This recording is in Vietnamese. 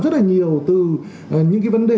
rất là nhiều từ những cái vấn đề